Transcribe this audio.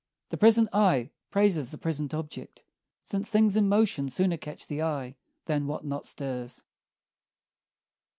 The present eye praises the present object, Since things in motion sooner catch the eye Than what not stirs.